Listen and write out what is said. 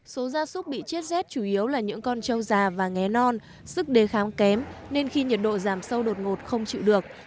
số gia súc bị chết rét chủ yếu là những con trâu già và ngé non sức đề kháng kém nên khi nhiệt độ giảm sâu đột ngột không chịu được